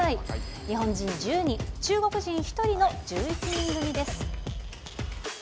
日本人１０人、中国人１人の１１人組です。